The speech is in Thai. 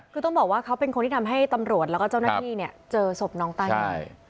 คือต้องบอกว่าเขาเป็นคนที่ทำให้ตำรวจแล้วก็เจ้าหน้าที่เนี่ยเจอศพน้องตานี